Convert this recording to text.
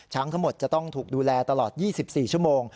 ทั้งหมดจะต้องถูกดูแลตลอด๒๔ชั่วโมง